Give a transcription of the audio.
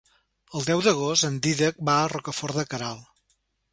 El deu d'agost en Dídac va a Rocafort de Queralt.